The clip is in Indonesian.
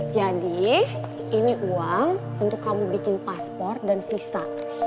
jadi ini uang untuk kamu bikin paspor dan visa